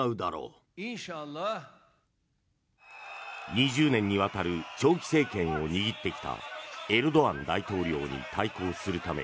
２０年にわたる長期政権を握ってきたエルドアン大統領に対抗するため